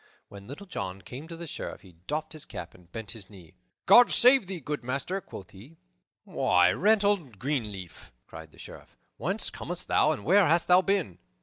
When Little John came to the Sheriff he doffed his cap and bent his knee. "God save thee, good master," quoth he. "Why, Reynold Greenleaf!" cried the Sheriff, "whence comest thou and where hast thou been?"